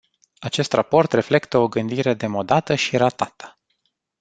Acest raport reflectă o gândire demodată și ratată.